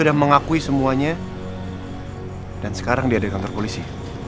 sudah mengakui semuanya dan sekarang dia di kantor polisi